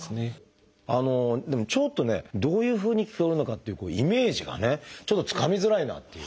でもちょっとねどういうふうに聞こえるのかっていうイメージがねちょっとつかみづらいなっていう。